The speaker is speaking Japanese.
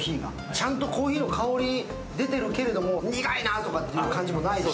ちゃんとコーヒーの香り出ているけども、苦いなという感じがないし。